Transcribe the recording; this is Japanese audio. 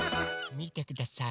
みてください。